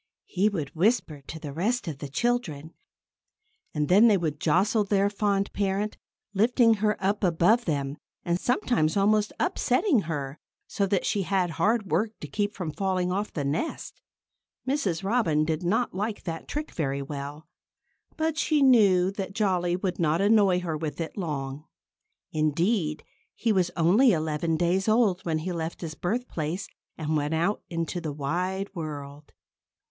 He would whisper to the rest of the children. And then they would jostle their fond parent, lifting her up above them, and sometimes almost upsetting her, so that she had hard work to keep from falling off the nest. Mrs. Robin did not like that trick very well. But she knew that Jolly would not annoy her with it long. Indeed, he was only eleven days old when he left his birthplace and went out into the wide world.